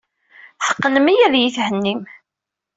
Teqqnem-iyi ad iyi-thennim.